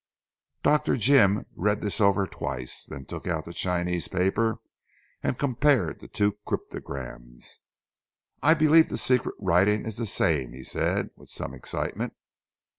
Dr. Jim read this over twice, then took out the Chinese paper and compared the two cryptograms. "I believe the secret writing is the same," he said with some excitement.